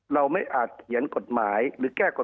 เราไม่อาจเขียนกฎหมายหรือแก้กฎหมาย